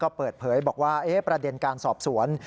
ก็เปิดเผยบอกว่าประเด็นการสอบสวน